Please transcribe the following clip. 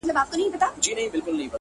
نسه نه وو نېمچه وو ستا د درد په درد؛